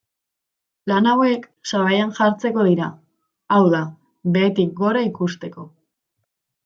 Lan hauek sabaian jartzeko dira, hau da, behetik gora ikusteko.